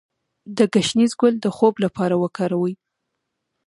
د ګشنیز ګل د خوب لپاره وکاروئ